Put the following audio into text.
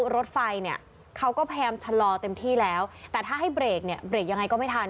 รถไฟเค้าก็แพรมชะลอเต็มที่แล้วแต่ถ้าให้เบรกยังไงก็ไม่ทัน